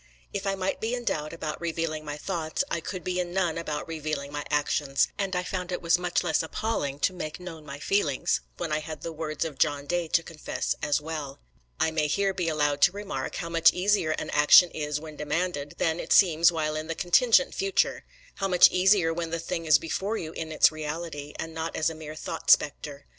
If I might be in doubt about revealing my thoughts, I could be in none about revealing my actions; and I found it was much less appalling to make known my feelings, when I had the words of John Day to confess as well. I may here be allowed to remark, how much easier an action is when demanded, than it seems while in the contingent future how much easier when the thing is before you in its reality, and not as a mere thought spectre.